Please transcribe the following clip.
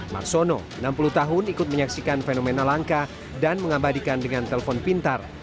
marsono enam puluh tahun ikut menyaksikan fenomena langka dan mengabadikan dengan telpon pintar